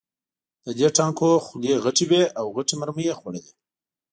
د دې ټانکونو خولې غټې وې او غټې مرمۍ یې خوړلې